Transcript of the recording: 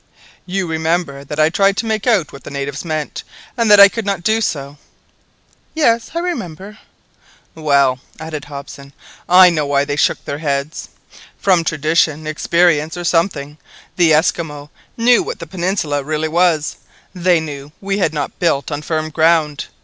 "You remember that I tried to make out what the natives meant, and that I could not do so?" "Yes, I remember." "Well," added Hobsou, "I know now why they shook their heads. From tradition, experience, or something, the Esquimaux knew what the peninsula really was, they knew we had not built on firm ground.